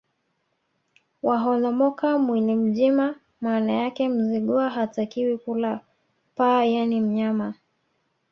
Waholomoka mwili mjima Maana yake Mzigua hatakiwi kula paa yaani mnyama